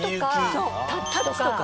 そう『タッチ』とか。